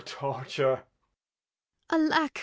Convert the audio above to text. Torture. Ar. Alack!